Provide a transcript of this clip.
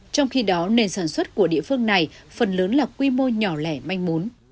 trong khi đó nền sản xuất của địa phương này phần lớn là quy mô nhỏ lẻ manh mốn